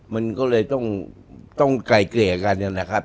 มันก็เลยต้องไกล่เกร่กัน